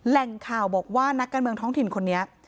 แหล่งข่าวบอกว่านักการเมืองท้องถิ่นคนนี้